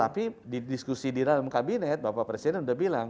tapi di diskusi di dalam kabinet bapak presiden sudah bilang